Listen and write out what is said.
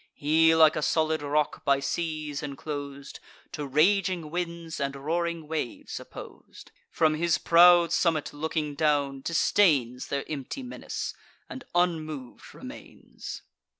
He, like a solid rock by seas inclos'd, To raging winds and roaring waves oppos'd, From his proud summit looking down, disdains Their empty menace, and unmov'd remains.